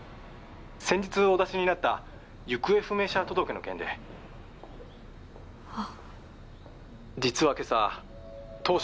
先日お出しになった行方不明者届の件であ☎実は今朝当署